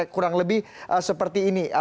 kurang lebih seperti ini